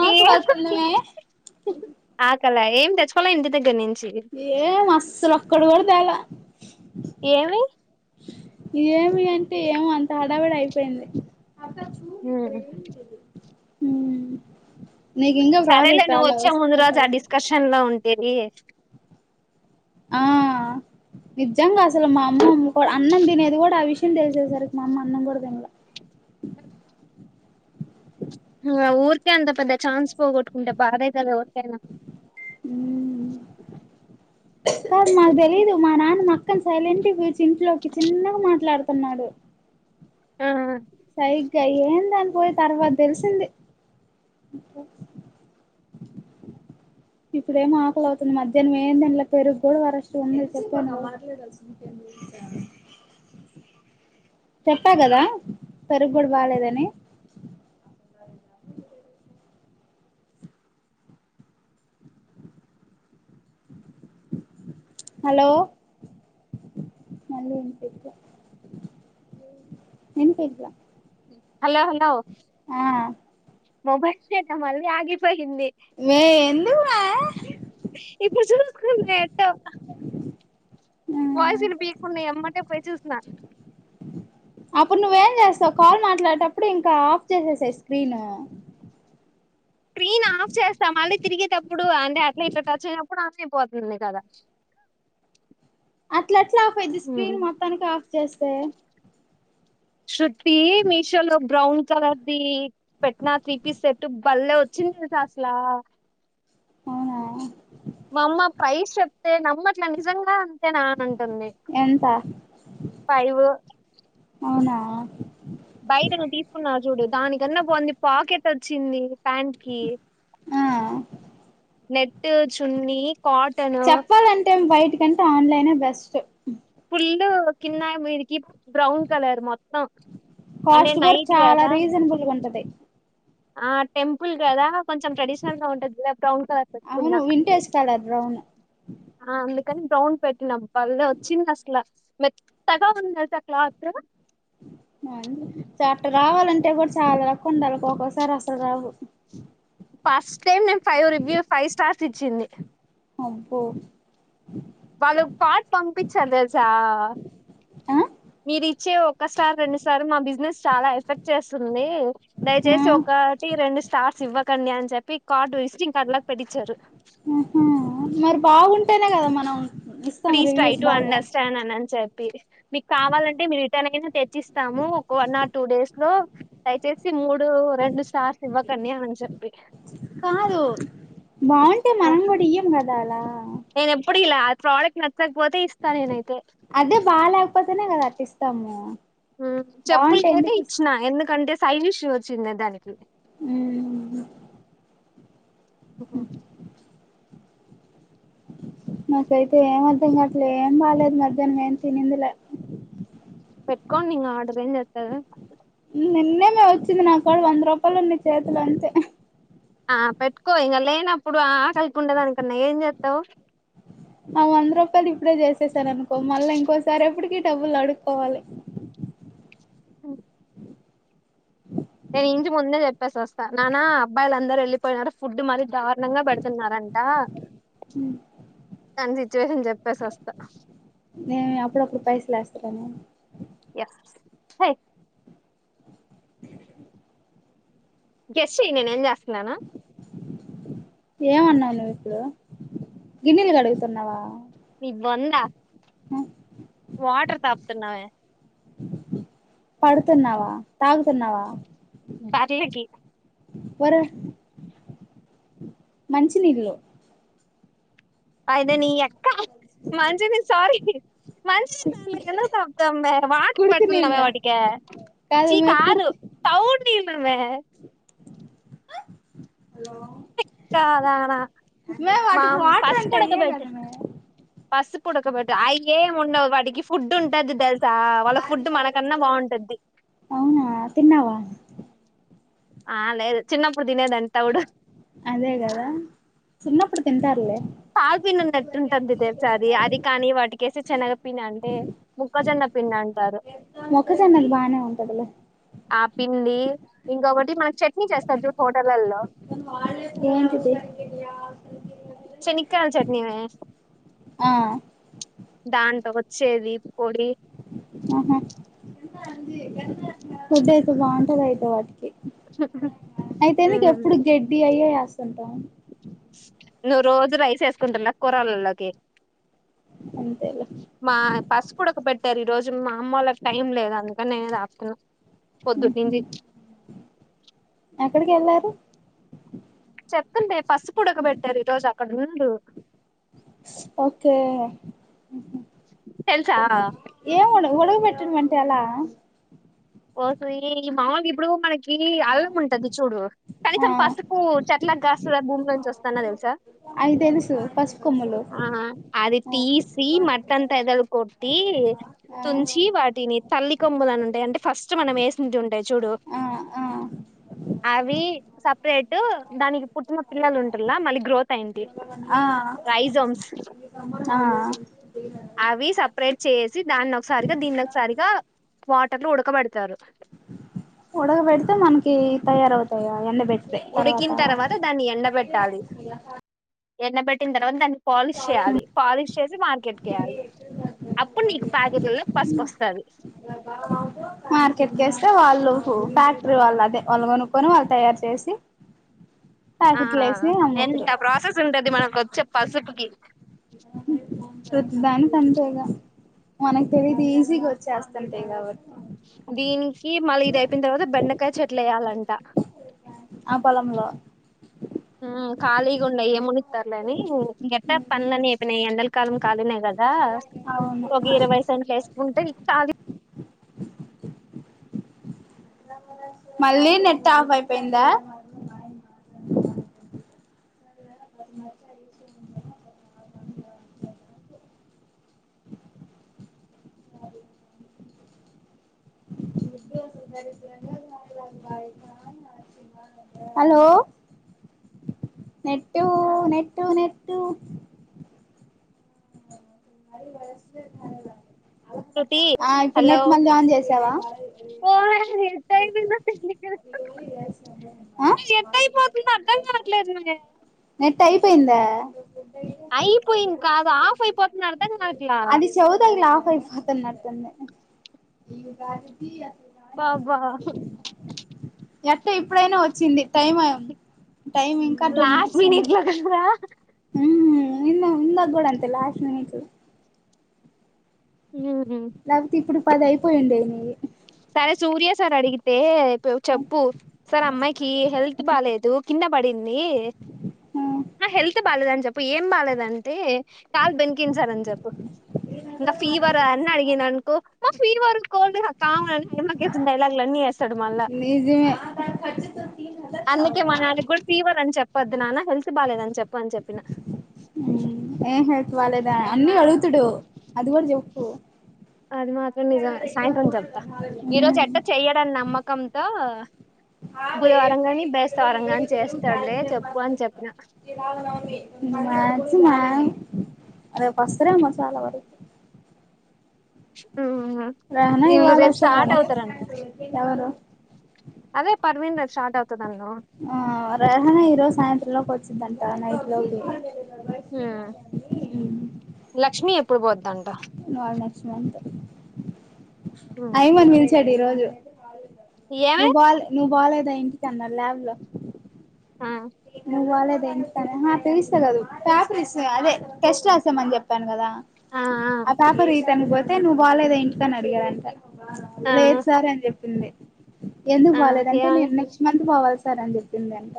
ఆ ఏం ఆట్లే క్లాతుల్నే ఆకలై తెచ్చుకున్న ఇంటి దగ్గర నీ ఏం అస్సలు ఒక్కడు కూడా తాల ఏమి ఏమి అంటే ఏమో అంత హడావిడి అయిపోయింది హు హ్మ్ నీకు ఇంకా సరేలే ప్రాజెక్ట్ నువ్వు రాలా వచ్చే వస్తే ముందు రోజు ఆ రాసేసేయ్. డిస్కషన్ లో ఉ ఏంది ఆ నిజంగా అస్ సలు మా అమ్ కూడా అన్నం తినేది కూడా ఆ విషయం తెలిసేసరికి మా అమ్మ అన్నం కూడా తినల ఊరికే అంతా పెద్ద చాన్స్ పోట్టుకుంటే బాధ అయితదికె ఊ సార్ మాకు తెలిదు మా నాన్న మాక్ పక్క సైలెంట్ వచ్చి ఇంట్లోకి చిన్నగా మాట్లాడుతున్నాడు ఆఆ సైగా ఏందన్ పోయి తర్వాత తెలిసింది ఇప్పుడు ఏమో ఆకలి అవుతుంది మధ్యాహ్నం ఏం తినలే పెరుగు కూడా వారు ఉప్పు చెప్పా కదా పెరుగు కూడా బాలేదని హలో హలో వినిపిట్ల వినిపిట్ల హలో హలో మ బస్సు మళ్ళీ ఆగిపోయి కింది వే ఎందుకు వే ఇప్పుడ చూడ కు మే ఎట్ట వస్తా వాయిస్ వినిపికునే ఎమ్మటే పోయి చూసిన అప్పుడు నువ్వేం చేస్తావ్ కాల్ మాట్లాడేటప్పుడు ఇంకా ఆఫ్ చేసేసై స్క్రీను స్క్రీన్ ఆఫ్ చేస్తాం మళ్ళీ తిరిగేటప్పుడు అంటే అట్లా ఇట్లా టచ్ అయినప్పుడు ఆఫ్ అయిపోతుంది కదా అట్లా ట్లా ఆఫ్ ఆఫ్యింది స్కీన్ మొత్తానికి ఆఫ్ చేస్తే షూ [unintelligible] మీసో బ్రాన్ కలర్ ది పెట్టిన త్రీ పీస్ సేట్టు బలే వచ్చింది తెల్సా అసలా అవునా మా అమ్మ ప్రైజ్ చెప్తే నమ్మట్లా నిజంగా అంతే నా అంటుంది ఎంత ఫైవు ఆహ్ [unintelligible] బంది పాకెట్ వచ్చింది ప్యాంట్కి ఆ నెట్ ట్ చున్నీ కాటన్ చెప్పాలంటే ఏం బయట ఎందుకంటే ఆన్లన్ బెస్ట్ ఫుల్ కింద మీదకి బ్రౌన్ కలర్ మొత్తం అంటే కాస్ట్ కూడా నైట్ చాలా కదా రీజనబుల్గా ఉంటది ఆహ్ టెంపుల్ కదా కొంచెం ట్రెడిషనల్ గా ఉంటది బ్రౌన్ కలర్ అవును పెట్టుకున్నా వింటే [unintelligible] బ్రౌన్ కాని బ్రౌన్ పెట్టినాం భల్లే వచ్చింది అసలు మెత్తగా ఉంది అయితే క్లాత్ ఆహ్ అట్ట రావాలంటే కూడా చాలా లక్ ఉండాల ఒక్కొసారి అసలు రావు ఫస్ట్ టైమ్ నేను ఫైవ్ రివ్యూ ఫైవ్ స్టార్స్ ఇచ్చింది అబ్బో వాళ్ళు పాట్ పంపించిరు తెల్సా ఆ మీరు వచ్చే ఒకస్టార్ రెండుస్టార్ మా బిజినెస్ చాలా ఎఫెక్ట్ చేస్తుంది. ఆ దయచేసి ఒకటి రెండు స్టార్ శివ కన్య అని చెప్పి కార్డు వెస్టింగ్ కార్డు లాగా పెట్టించారు. ఊహు మరి బాగుంటేనే కదా మనం ఇస్తాం ప్లీజ్ ట్రై రివ్యూస్ టు బాగా అండర్స్టాండ్ అని చెప్పి పీ మీకు కావాలంటే మీరు రిటర్న్ అయి తెచ్చిస్తాము ఒక వన్ ఆర్ టూ డేస్ లో దయచేసి మూడు రెండు స్టార్స్ ఇవ్వకండి అని చెప్పి కాదు బాగుంటే ఆ మనం కూడా ఇయ్యం కదా అలా నేను ఎప్పుడ ఇలా అది ప్రొడెక్ట్ అదే బాగా లేకపోతేనే కదా అట్టిస్తాము చెప్పులకైతే ఇచ్చిన ఎందుకంటే సైజ్ ఇష్యూ వచ్చింది దానికి ఊ ఉమ్, నాకైతే ఏం అర్ధం కాట్లే ఏం బాలేదు మధ్యాహ్నం ఏం తినిందిలే. పెట్టుకోండి నా ఆర్డర్ ఏం చెత్తారు. నిన్ననే వచ్చింది నాకడ వంద రూపాయలు ఉంది చేతిలో అంతే. ఆ పెట్టుకో ఇగా లేనప్పుడు ఆకలికి ఉండేదానికన్నా ఎంచెత్తావ్. అ వంద రూపాయలి. ఇప్పుడే చేసేసారు అనుకో మళ్ళ ఇంకోసారి ఎప్పటికి. డబ్బులు అడుక్కోవాలి. ఉమ్, నేను ఇంటి ముందే చెప్పేసి వస్తా నాన్న అబ్బయిలుందరూ వెళ్లిపోయినరు ఫుడ్ మరి దారుణంగా పెడుతున్నారంట దాని సిచ్యువేషన్ చెప్పేసి వస్తా. రనే. ఎస్ హా గెస్ చెయ్ నేను ఏంచేస్తున్నానో ఏమన్నావు నువ్వు ఇప్పుడు గిన్నెలు కడుగుతున్నావా. నీ బొంద. ఆ. వాటర్ తప్తున్నవే. పడుతున్నావా తాగుతున్నావా. ఫర్లికి వరే మంచినీళ్ళు. అయితే నీ అక్క మంచిని సారీ మంచి దాన్లకి ఎందుకు తప్తా మే వాటర్ కుడితి నీళ్ళ పెడుతున్నామే వాటికే చీ మే కాదు కుడితి తౌ నీల్. మే. హలో. చదానా మా వాటికి వాటర్ అంటే అయ్యే పసుపుడకబెట్టే కదా మే పసుపుడకబెట్టు అయ్యేము ఉండవు వాటికి ఫుడ్ ఉంటది తెలుసా వాళ్ళ ఫుడ్ మనకన్నా బాగుంటది. అవునా తిన్నావా ఆ లేదు చిన్నప్. అప్పుడు తినేదాన్ని తవ్డూ. చిన్నపుడు తింటారులే. తల్ పిండి ఉన్నట్టు ఉంటుంది తెల్సా అది కానీ వాటికి ఏసీ చెనగ పిండి అంటే ముక్కజొన్న. పిన్న అంటారు. మొక్కజొన్నది బానే ఉంటది లే. ఆ పిండి ఇంకొకటి మనకు చట్నీ చేస్తారు చూడు హోటలల్లో. ఇడియా. చేణిక్కాయల చట్నీ మే. ఆ. దాంతో వచ్చేది. పొడి ఆహా ఫుడ్ అయితే బాగుంటది అయితే వాటికి అయితే నీకు ఎప్పుడు గెడ్డి అయ్యే ఏస్ అంత నువ్వు రోజు రైస్ ఏసుకుంటల్ల కూరళ్లల్లోకి అంతేలే మా పసుపు ఉడక పెట్టారు ఈ రోజు కొంచెం మా అమ్మోళ్లకి టైం లేదు అందుకనే నేనే రాస్తున్న పొద్దుటి ఉహు నుండి ఎక్కడికి వెళ్ళారు చెప్పండి పసుపుఉడకబట్టారు ఈ రోజు అక్కడ నుండు ఓకే తెలుసా ఏం ఉండక ఉడకబెట్టటమం చలా ఓసి నీ మామకి ఇప్పుడు ఇవ్వు మరి ఛీ అల్లం ఉంటది చూడు ఆ కనీసం పసుపు చెట్లకు కాస్తదా భూమిలోంచి వస్తదా తెలుసా అవి తెలుసు పసుపు కొమ్ములు ఆ అది ఆ తీసి మట్టంతా ఎదలుకో టి తుంచి వాటిని తల్లి కొమ్ములు అని ఉంటాయి అంటే ఫస్ట్ మనం వేసింట ఉంటాయి చూడు ఆ ఆ అవి సపరేటు దానికి పుట్టిన పిల్లలు ఉంటలా మళ్ళీ గ్రోత్ అయింది ఆ రైజోమ్స్ ఆ అవి సపరేట్ చేసి దాన్ని ఒకసారిగా దీన్ని ఒకసారిగా వాటర్లో ఉడకబెడతారు ఉడకబెడితే మనకి తయారవుతాయి అవి ఎండబెట్ ఉడికిన తర్వాత దాన్ని ఎండబెట్టాలి ఎండబెట్టిన తర్వాత దాన్ని పాలిష్ చేయాలి పాలిష్ చేసి మార్కెట్ కేయ్యాలి అప్పుడు నీకు ప్యాకెట్లలో పసుపుపొస్తాది మార్కెట్కి వేస్తే వాళ్ళు ఫ్యాక్టరీ వాళ్ళు అదే వాళ్ళు కొనుక్కొని వాళ్ళు తయారు చేసి ఆ ప్యాకెట్లు వేసి అమ్ముతురు ఎంత ప్రాసెస్ ఉంటది మనకు వచ్చే పసుపుకి ప్ర దానికి అంతేగా మనకు తెలిదు ఈజీగా వచ్చేస్తుంటే కాబట్టి దీనికి మళ్ళీ ఇద అయిపోన తర్వాత బెండ అక్కే చెట్లు కావాలంట ఆ పొలంలో మ్ ఖాలిగా ఉండయ్య మును ర్లేఅని గట్ట పనులని చేపిన ఎండ కాలం కానీనే కాదు రా అవును ఒక ఇరవై సెంట్లు వేసుకుంటే చ మళ్ళీ నెట్ ఆఫ్ అయిపోయిందా హలో నెట్టు నెట్టు నెట్టు అయిందా ఎస్టేట్ పని శృతి హలో ఆన్ చేసావా ఆ నెట్ అయిపోతుంది ఆ అర్థం కావట్లే నెట్ అయిపోయిందా అయిపోయింకా అ ఆఫ్ అయిపోతుదా అర్థం కావట్లా ఇ పాత నడతంద ఈ బ బ ఉ ఎట్ట ఇప్పుడైనా వచ్చింది టైం అ టైమ్ ఇంకా టూ మినిట్స్ [unintelligible] ఉ ఇన్న ముందగ్గడ అంతల్ ఆస్ట్ మినిట్ లేకపోతే ఇప్పుడు పది అయిపోయిండయి నివి సరే సూర్య సార్ అడిగితే చెప్పు సార్ అమ్మాయికి హెల్త్ బాలేేదు కింద పడిం హెల్త్ బాలేదని చెప్పు ఏం బాలేదంటే, కాలు బనికింది అని చెప్పు, ఇంకా ఫీవర్ అని అడిగిననుకో ఫ్రీవరకోన్ కావుని ఏమకతుంది డైలాగు్లు అన్ని వేస్తాడు మళ్ళా, నీవి నిజమే అందుకే మ నాళకి కూడా ఫీవర్ అని చెప్ పొద్దునాన్న హెల్త్ బాలేదు అని చెప్ప అని చెప్పిన ఏ ఎ హెల్త్ బాలేదు ద అన్నీ అడుగుతుడు అది కూడా చెప్పు అది మాత్రం నిజం మే సాయంత్రం చెప్తా ఈ రోజు ఎట్ట చెయ్యడని నమ్మకంతో బుధవారం కాని బేస్తవరం గాని చేస్తాడులే చెప్పు అని చెప్పిన సున్నా రేపువస్తారేమో చాల వర ఊహూ వీళ్ళు ఇవాళ రేపు స్టార్ట్ వస్తదని అవుతారంట ఎవరు అదే పర్వీన్ స్టాటవ్ ఆ రెహనా ఈరోజు సాయంత్ర లోపు వచ్చిందండి [unintelligible] హ్మ్ లక్ష్మీ ఎప్పుడుబోద్ దంట నాది నెక్స్ట్ మంత్ మ్మ్ ఐమన్ పిల్చాడిరోజు ఏమే నువ్ బోలె ను బాలేదా ఇంటికన్న ల్యాబ్ లో ఆ నువ్ వాలెద్ అహ తెలుస్తే గాదు పేపర్ ఇసె అదే టెస్ట్ రాసమని జెప్పాను గదా ఆ పాప రీతను బొ తే నువ్వు బోలేద ఇంటికని అడిగడంట ఆ లేదు సార్ అని జెప్ పిందె ఎందుకు ఆ బాలేదు అంటే ఏమని నేను నెక్స్ట్ మంత్ బోవాల్స్ సరే అని జెప్పిందంట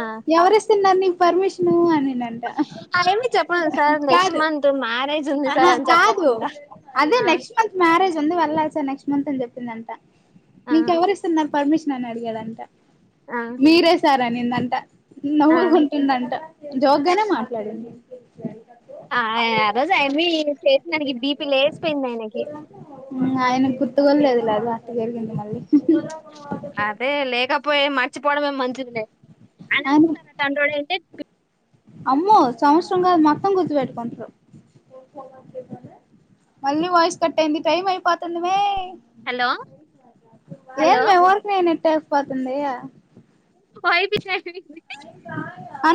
ఆ ఎవరు ఇస్తున్నారు నీక్ పర్మిషను అనినన్ అ ఏమి చెప్పలేద్ సార్ నెక్స్ట్ మంత్ మ్యారేజ్ ఉంది సార్ ఆహా అని కాదు చెప్పకుండా ఆ ఇట్లుంది వెళ్ళాలి సార్ నెక్ట్స్ మంత్ అని జెప్పిందంట ఆ నీకెవరిసున బ్ పర్మిషన్ అని అడిగాడంట ఆ మీరే సర్ అనిందం ట ఆ నవ్వుకుంటుందంట జోగ్గానే మాట్లాడింది. [inaudible] ఆ అయ్ ఆ రోజు ఆయమ్మి చేసిందానికి బీపి లేస్పోయింది ఆయనకి. ఇంగ ఆయనక్ గుర్తు గూడలేదు ఇలా అదిగటి వెరిగింది మళ్ళీ ర్చిపోవడమే మంచిదిలే ఆయన తండ్రోడు అంటే అమ్మో సంవత్సరం కాదు మొత్తం గుర్తుపెట్టుకుంట్రూ మళ్ళీ వాయిస్ కట్ అయింది టైం అయిపోతందమే హలో హలో ఏంద్మే ఊర్కనేనె టై పోతుంది ఇగ వయి పిచ్ లే అయిందాయె అను